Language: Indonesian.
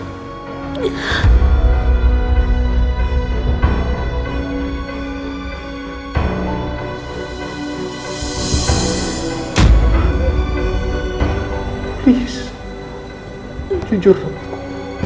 tolong jujur sama aku